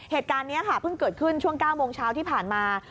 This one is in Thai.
เหตุการณ์นี้ค่ะเพิ่งเกิดขึ้นช่วง๙โมงเช้าที่ผ่านมา